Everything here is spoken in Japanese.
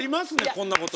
こんなこと。